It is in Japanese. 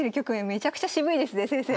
めちゃくちゃ渋いですね先生。